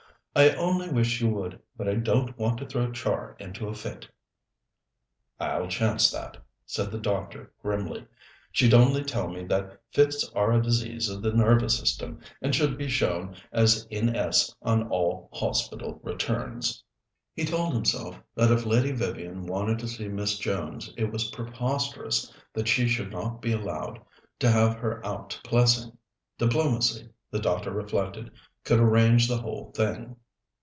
"I only wish you would, but I don't want to throw Char into a fit." "I'll chance that," said the doctor grimly. "She'd only tell me that fits are a disease of the nervous system, and should be shown as N.S. on all Hospital returns." He told himself that if Lady Vivian wanted to see Miss Jones it was preposterous that she should not be allowed to have her out to Plessing. Diplomacy, the doctor reflected, could arrange the whole thing.